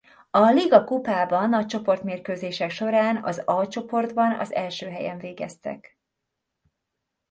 A ligakupában a csoportmérkőzések során az A csoportban az első helyen végeztek.